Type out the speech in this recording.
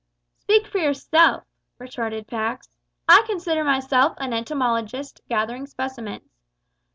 "Speak for yourself," retorted Pax; "I consider myself an entomologist gathering specimens.